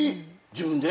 自分で？